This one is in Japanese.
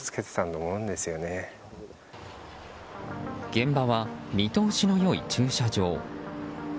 現場は見通しの良い駐車場。